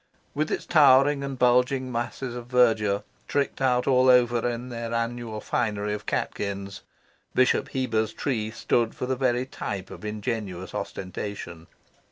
With its towering and bulging masses of verdure tricked out all over in their annual finery of catkins, Bishop Heber's tree stood for the very type of ingenuous ostentation.